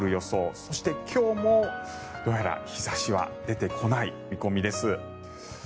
そして、今日もどうやら日差しは出てこない見込みです。